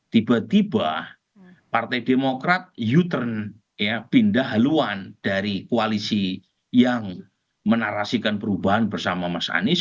tiba tiba partai demokrat you turn pindah haluan dari koalisi yang menarasikan perubahan bersama mas anies